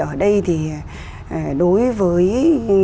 ở đây thì đối với